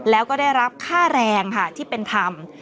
แล้วก็ได้รับค่าแรงที่เป็นทำ